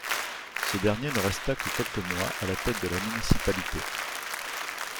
Ce dernier ne resta que quelques mois à la tête de la municipalité.